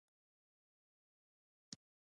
کار څنګه پیدا کړو؟